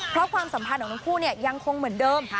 เพราะความสัมพันธ์ของทั้งคู่ยังคงเหมือนเดิม